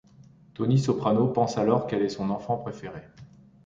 Tony Soprano pense alors qu'elle est son enfant préféré.